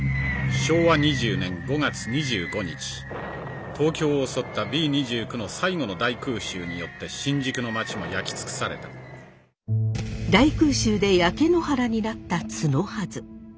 昭和２０年５月２５日東京を襲ったＢ２９の最後の大空襲によって新宿のまちは焼き尽くされた大空襲で焼け野原になった角筈。